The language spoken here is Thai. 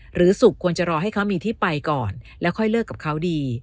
หรือสุขควรจะรอให้เขามีที่ไปก่อนแล้วค่อยเลิกกับเขาดี